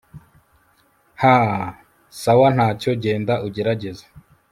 hhhm sawa ntacyo genda ugerageze